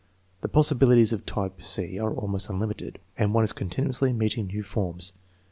The possibilities of type c are almost unlimited, and one is continually meeting new forms.